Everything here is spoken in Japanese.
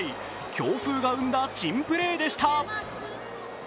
強風が生んだ珍プレーでした。